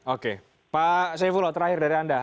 oke pak saifullah terakhir dari anda